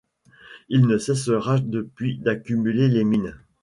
Il ne cessera depuis, d'accumuler les milles.